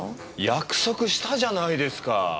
約束したじゃないですか。